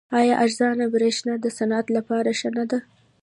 آیا ارزانه بریښنا د صنعت لپاره ښه نه ده؟